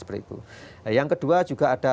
seperti itu yang kedua juga ada